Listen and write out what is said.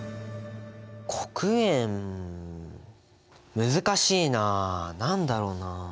黒鉛難しいなあ何だろうなあ？